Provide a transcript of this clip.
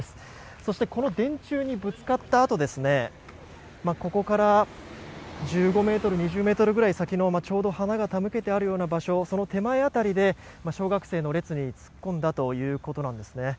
そしてこの電柱にぶつかったあとここから１５ｍ、２０ｍぐらい先のちょうど花が手向けてあるような場所その手前辺りで小学生の列に突っ込んだということなんですね。